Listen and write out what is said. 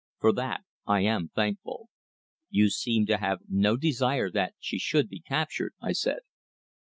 "For that I am thankful." "You seem to have no desire that she should be captured," I said.